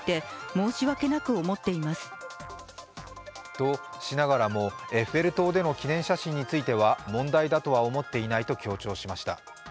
としながらも、エッフェル塔での記念写真については問題だとは思っていないと強調しました。